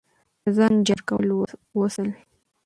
د ځان جار کول وسول.